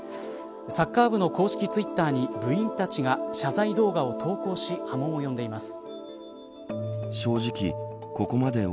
サッカー部の公式ツイッターに部員たちが謝罪動画を投稿し波紋を呼んでいます。